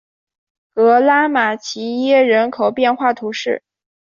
格拉马齐耶人口变化图示